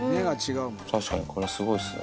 確かにこれはすごいっすね。